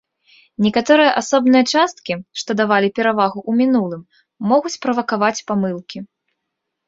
Некаторыя асобныя часткі, што давалі перавагу ў мінулым, могуць правакаваць памылкі.